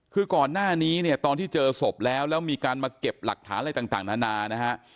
คือก่อนหน้านี้เนี่ยตอนที่เจอศพแล้วแล้วมีการมาเก็บหลักฐานอะไรต่างนานานะฮะ